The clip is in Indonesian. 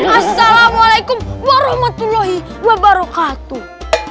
assalamualaikum warahmatullahi wabarakatuh